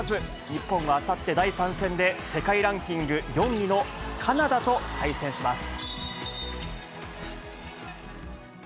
日本はあさって、第３戦で世界ランキング４位のカナダと対戦します。